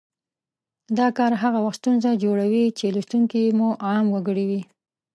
دا کار هغه وخت ستونزه جوړوي چې لوستونکي مو عام وګړي وي